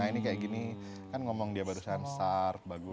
nah ini kayak gini kan ngomong dia barusan sars bagus